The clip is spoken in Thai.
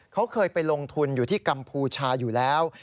เขาเคยไปลงทุนอยู่ที่กัมพูชาอยู่แล้ว